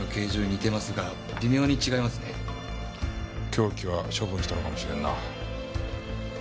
凶器は処分したのかもしれんな。